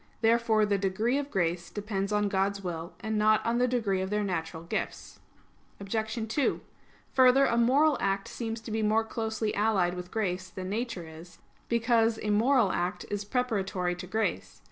Therefore the degree of grace depends on God's will, and not on the degree of their natural gifts. Obj. 2: Further, a moral act seems to be more closely allied with grace than nature is; because a moral act is preparatory to grace.